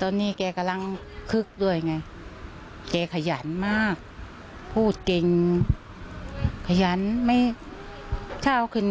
ตอนนี้แกกำลังคึกด้วยไงแกขยันมากพูดเก่งขยันไม่เช้าขึ้น